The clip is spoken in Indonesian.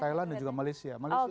thailand dan juga malaysia